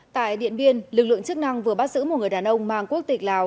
tại điện biên lực lượng chức năng vừa bắt giữ một người đàn ông mang quốc tịch lào